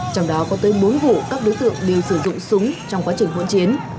trong đó có tới bốn vụ các đối tượng đều sử dụng súng trong quá trình vỗn chiến